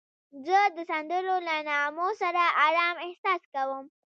زه د سندرو له نغمو سره آرام احساس کوم.